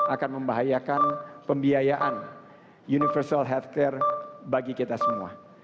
akan membahayakan pembiayaan universal healthcare bagi kita semua